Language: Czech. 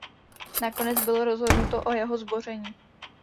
Nakonec bylo rozhodnuto o jeho zboření.